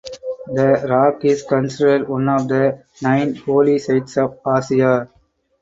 The rock is considered one of the "Nine Holy Sites of Asia".